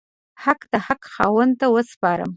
حق د حق خاوند ته وسپارم.